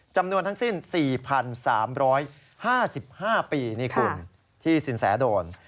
จำนวนทั้งสิ้น๔๓๕๕ปีนี่คุณที่สินแสโดน